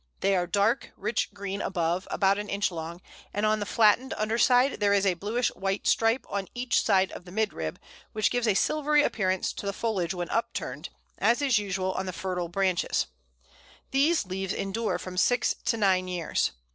They are dark, rich green above, about an inch long, and on the flattened underside there is a bluish white stripe on each side of the midrib, which gives a silvery appearance to the foliage when upturned, as is usual on the fertile branches. These leaves endure from six to nine years.